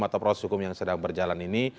atau proses hukum yang sedang berjalan ini